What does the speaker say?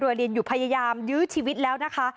โดยดินอยู่พยายามยื้อชีวิตแล้วนะคะ